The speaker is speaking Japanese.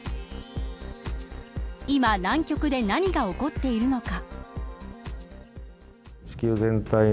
今、南極で何が起こっているのか。